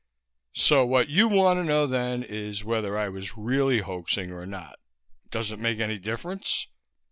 "So what you want to know, then, is whether I was really hoaxing or not. Does it make any difference?"